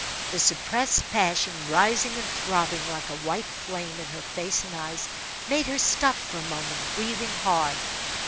The suppressed passion, rising and throbbing like a white flame in her face and eyes, made her stop for a moment, breathing hard.